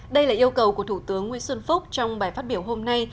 đây là yêu cầu của thủ tướng nguyễn xuân phúc trong bài phát biểu hôm nay